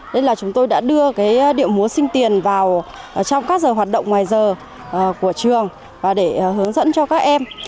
nên là chúng tôi đã đưa cái điệu múa sinh tiền vào trong các giờ hoạt động ngoài giờ của trường và để hướng dẫn cho các em